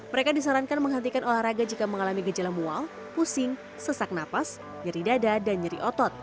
mereka disarankan menghentikan olahraga jika mengalami gejala mual pusing sesak nafas nyeri dada dan nyeri otot